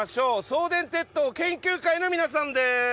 送電鉄塔研究会の皆さんです。